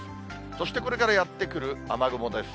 そしてこれからやって来る雨雲です。